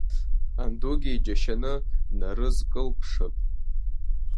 Андугьы иџьашьаны днарызкылԥшып…